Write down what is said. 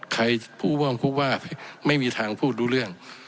ผู้ว่างผู้ว่าไม่มีทางพูดรู้เรื่อง